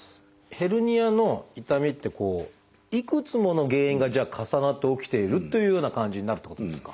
ヘルニアの痛みっていくつもの原因が重なって起きているというような感じになるってことですか？